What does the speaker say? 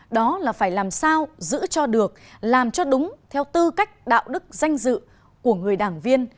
đó là phải làm sao giữ cho được làm cho đúng theo tư cách đạo đức danh dự của người đảng viên